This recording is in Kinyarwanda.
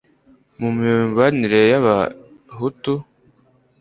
mu mibanire y Abahutu